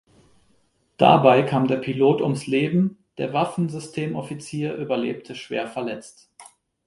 Dabei kam der Pilot ums Leben, der Waffensystemoffizier überlebte schwer verletzt.